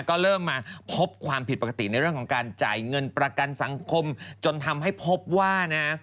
ก็เริ่มมาพบความผิดปกติในเรื่องของการจ่ายเงินประกันสังคมจนทำให้พบว่านะ